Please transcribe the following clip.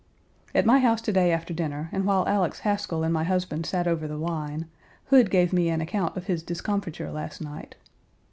At my house to day after dinner, and while Alex Haskell and my husband sat over the wine, Hood gave me an account of his discomfiture last night.